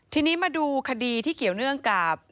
ทีนี้มาดูคดีที่เกี่ยวเนื่องกับ